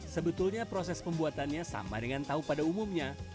sebetulnya proses pembuatannya sama dengan tahu pada umumnya